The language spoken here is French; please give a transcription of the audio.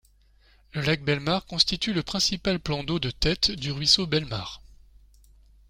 Le lac Bellemare constitue le principal plan d’eau de tête du ruisseau Bellemare.